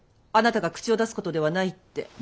あなたが口を出すことではないって。